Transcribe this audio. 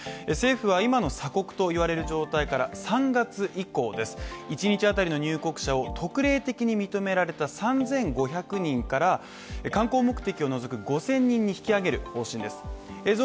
政府は今の鎖国といわれる状態から、３月以降一日当たりの入国者を特例的に認められた３５００人から観光目的を除く５０００人に引き上げる方針です。